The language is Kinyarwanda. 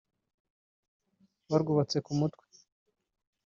barwubatse ku mutwe